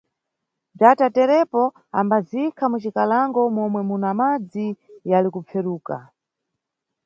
Bzata terepo ambaziyikha mucikalango momwe muna madzi yali kupferuka.